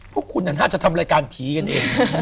พวกคุณน่าจะทำรายการผีกันเอง